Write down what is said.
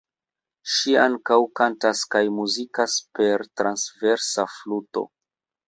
Ŝi ankaŭ kantas kaj muzikas per transversa fluto.